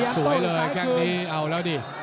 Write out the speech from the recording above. สวยเลยแค่งนี้เอาแล้วดิ